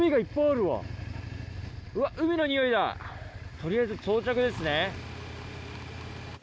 取りあえず到着ですね。